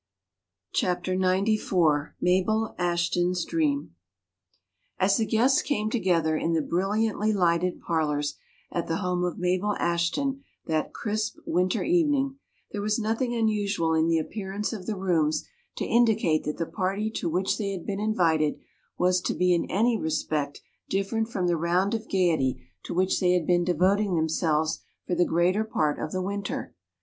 C. ROBERTS MABEL ASHTON'S DREAM As the guests came together in the brilliantly lighted parlors at the home of Mabel Ashton that crisp winter evening, there was nothing unusual in the appearance of the rooms to indicate that the party to which they had been invited was to be in any respect different from the round of gaiety to which they had been devoting themselves for the greater part of the winter.